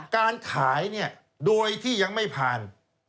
การขายเนี่ยโดยที่ยังไม่ผ่าน